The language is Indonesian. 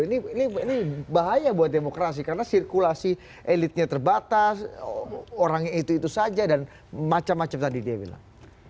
ini bahaya buat demokrasi karena sirkulasi elitnya terbatas orangnya itu itu saja dan macam macam tadi dia bilang